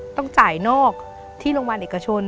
ต้องจ่ายนอกที่โรงพยาบาลเอกชน